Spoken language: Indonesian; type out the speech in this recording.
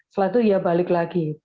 selalu ya balik lagi